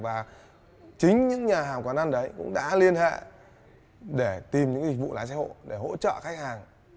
và chính những nhà hàng quán ăn đấy cũng đã liên hệ để tìm những dịch vụ lái xe hộ để hỗ trợ khách hàng